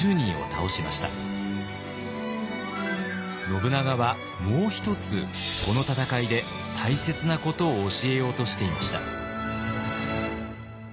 信長はもう一つこの戦いで大切なことを教えようとしていました。